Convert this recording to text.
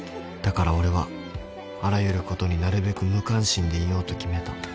［だから俺はあらゆることになるべく無関心でいようと決めた］